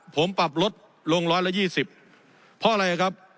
ผมปรับลดลงร้อยละยี่สิบเพราะอะไรครับ